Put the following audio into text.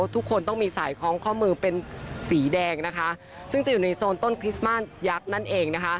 ทุกคนต้องมีสายคล้องข้อมือเป็นสีแดงนะคะซึ่งจะอยู่ในโซนต้นคริสต์มาสยักษ์นั่นเองนะคะ